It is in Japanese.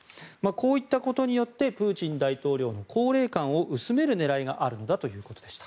こういったことによってプーチン大統領の高齢感を薄める狙いがあるんだということでした。